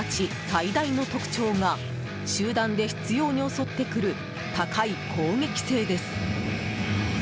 最大の特徴が集団で執拗に襲ってくる高い攻撃性です。